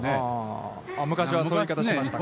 昔はそんな言い方をしましたか。